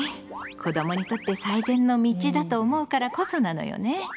子どもにとって最善の道だと思うからこそなのよね。